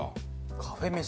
カフェ飯。